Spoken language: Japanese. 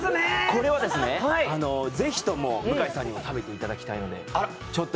これは是非とも向井さんにも食べていただきたいので。